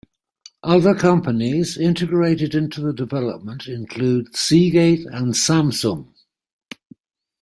Other companies integrated into the development include Seagate and Samsung.